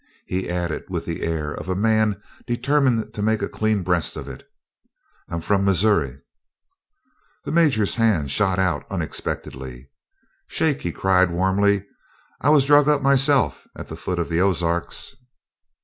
He added with the air of a man determined to make a clean breast of it: "I'm from Missoury." The Major's hand shot out unexpectedly. "Shake!" he cried warmly. "I was drug up myself at the foot of the Ozarks."